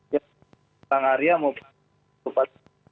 ya bang arya mau